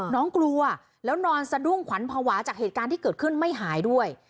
น้องกลัวแล้วนอนสะดุ้งขวัญภาวะจากเหตุการณ์ที่เกิดขึ้นไม่หายด้วย